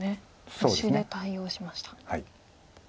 オシで対応しました。